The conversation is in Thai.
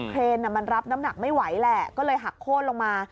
เครนมันรับน้ำหนักไม่ไหวแหละก็เลยหักโค้นลงมา